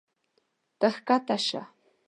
ته ښکته شه.